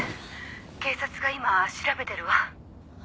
警察が今調べてるわ」